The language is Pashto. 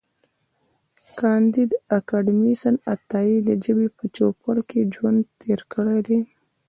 کانديد اکاډميسن عطایي د ژبې په چوپړ کې ژوند تېر کړی دی.